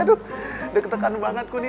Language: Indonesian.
aduh deg degan banget gue ini